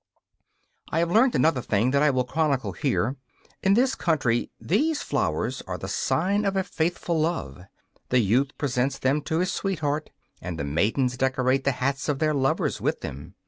I have learned another thing that I will chronicle here. In this country these flowers are the sign of a faithful love: the youth presents them to his sweetheart, and the maidens decorate the hats of their lovers with them.